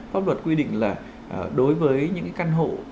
pháp luật quy định là đối với những căn hộ